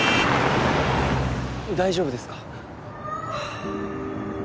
大丈夫ですか？